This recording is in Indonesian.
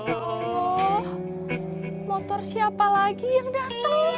oh motor siapa lagi yang datang